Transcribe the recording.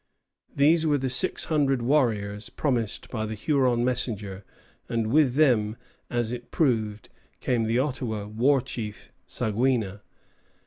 These were the six hundred warriors promised by the Huron messenger, and with them, as it proved, came the Ottawa war chief Saguina.